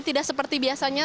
tidak seperti biasanya